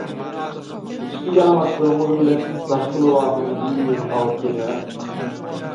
Içki ýalaňaçlygymyz bilen daşky lybasymyz bir-birine gabat gelýärmi?